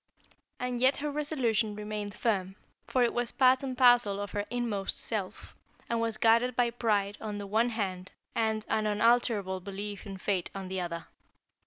And yet her resolution remained firm, for it was part and parcel of her inmost self, and was guarded by pride on the one hand and an unalterable belief in fate on the other.